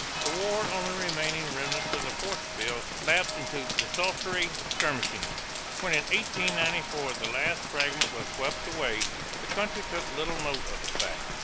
The war on the remaining remnants of the "force bills" lapsed into desultory skirmishing. When in 1894 the last fragment was swept away, the country took little note of the fact.